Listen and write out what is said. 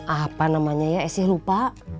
aduh apa namanya ya sih lupa